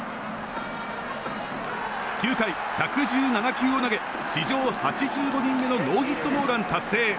９回１１７球を投げ史上８５人目のノーヒットノーラン達成！